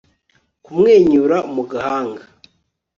Kumwenyura mu gahanga